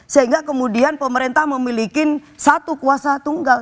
sehingga kemudian pemerintah memiliki satu kuasa tunggal